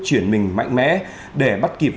chuyển mình mạnh mẽ để bắt kịp